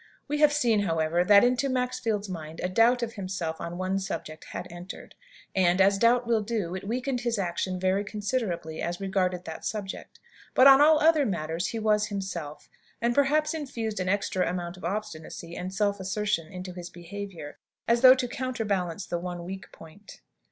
We have seen, however, that into Maxfield's mind a doubt of himself on one subject had entered. And, as doubt will do, it weakened his action very considerably as regarded that subject; but on all other matters he was himself, and perhaps infused an extra amount of obstinacy and self assertion into his behaviour, as though to counterbalance the one weak point.